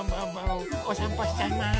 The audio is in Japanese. おさんぽしちゃいます。